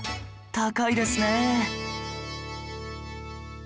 高いですねえ